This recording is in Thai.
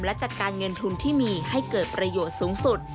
และจัดการเงินทุนที่มีให้เกิดประโยชน์สูงสุด